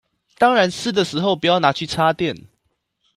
當然濕的時候不要拿去插電